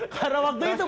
karena waktu itu pak